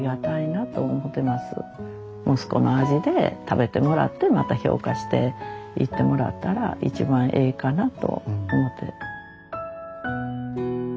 息子の味で食べてもらってまた評価していってもらったら一番ええかなと思て。